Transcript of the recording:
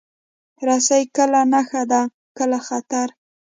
رسۍ کله نښه ده، کله خطر.